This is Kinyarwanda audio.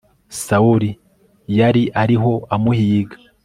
sawuli yari ariho amuhiga